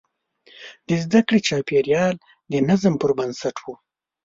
د زده کړې چاپېریال د نظم پر بنسټ و.